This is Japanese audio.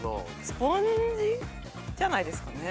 スポンジじゃないですかね？